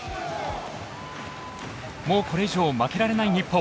もうこれ以上負けられない日本。